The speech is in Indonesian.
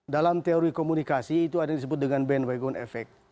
dalam teori komunikasi itu ada yang disebut dengan bandwagon effect